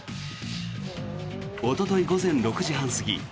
おととい午前６時半過ぎ